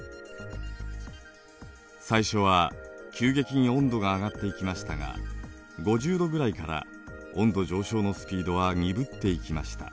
最初は急激に温度が上がっていきましたが５０℃ぐらいから温度上昇のスピードは鈍っていきました。